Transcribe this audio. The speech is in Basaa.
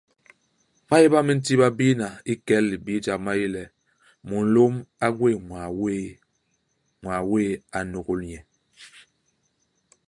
Imaéba me nti babiina i kel libii jap ma yé le, mulôm a gwés ñwaa wéé, ñwaa wéé a n'nôgôl nye.